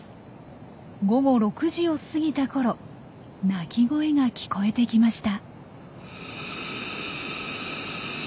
午後６時を過ぎたころ鳴き声が聞こえてきました。